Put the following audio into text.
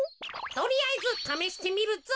とりあえずためしてみるぞ。